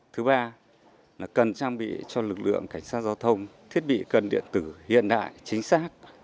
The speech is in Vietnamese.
thứ ba là cần trang bị cho lực lượng cảnh sát giao thông thiết bị cân điện tử hiện đại chính xác